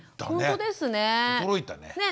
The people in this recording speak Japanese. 驚いたね。